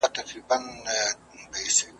مدرسې خلاصي پوهنتون بند دی ,